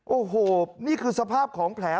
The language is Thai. โอ้โหนี่คือสภาพของแผล